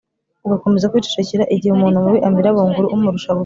Ugakomeza kwicecekera igihe umuntu mubi amira bunguri umurusha gukiranuka